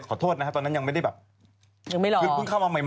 ขอโทษนะครับตอนนั้นยังไม่ได้แบบเพิ่งเข้ามาใหม่